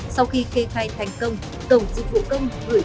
sau khi kê khai thành công